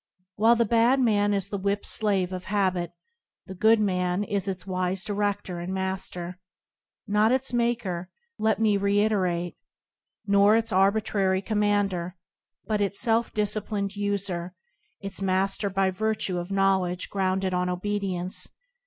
While the bad man is the whipped slave of habit, the good man is its wise director and master. Not its maker , let me reiterate, nor yet its arbitrary commander, but its self disciplined user, its master by virtue of knowledge grounded on obedience.